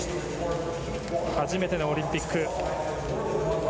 初めてのオリンピック。